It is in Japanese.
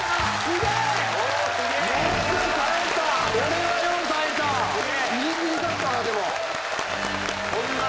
すごいな。